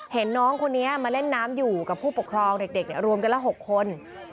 เห็นน้องคนนี้มาเล่นน้ำอยู่กับผู้ปกครองเด็กรวมกันละ๖คน